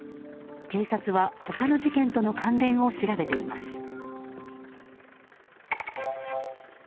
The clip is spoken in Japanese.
警察は他の事件との関連を調べています。